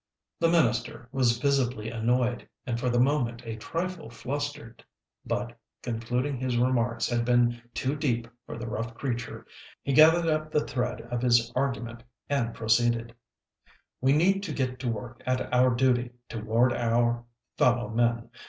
The minister was visibly annoyed, and for the moment a trifle flustered; but, concluding his remarks had been too deep for the rough creature, he gathered up the thread of his argument and proceeded: "We need to get to work at our duty toward our fellow men.